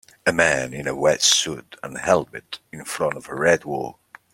A man in a wetsuit and helmet in front of a red wall.